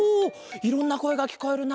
いろんなこえがきこえるな。